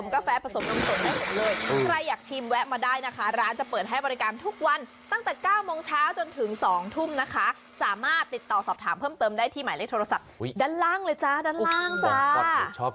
กาแฟผสมนมสดได้หมดเลยใครอยากชิมแวะมาได้นะคะร้านจะเปิดให้บริการทุกวันตั้งแต่๙โมงเช้าจนถึง๒ทุ่มนะคะสามารถติดต่อสอบถามเพิ่มเติมได้ที่หมายเลขโทรศัพท์ด้านล่างเลยจ้าด้านล่างจ้า